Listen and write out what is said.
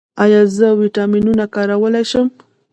ایا زه ویټامینونه کارولی شم؟